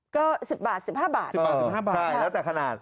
ก็๑๐บาท๑๕บาท